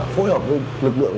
phối hợp với lực lượng